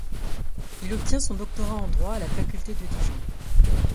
Il obtient son doctorat en droit à la faculté de Dijon.